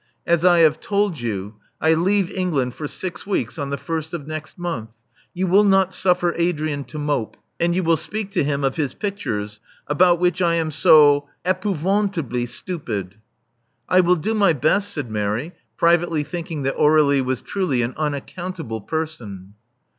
As I have told you, I leave England for six weeks on the first of next month. You will not suffer Adrian to mope ; and you will speak to him of his pictures, about which I am so ipouvantahly stupid." I will do my best," said Mary, privately thinking that Aurdlie was truly an unaccountable person.